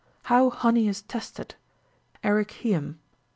HOW HONEY IS TESTED. ERICUETJM.